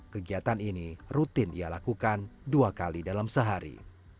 kegiatan ini rutin ia lakukan dua kali dalam sehari